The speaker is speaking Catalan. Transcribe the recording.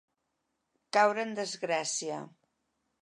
Caure en desgràcia.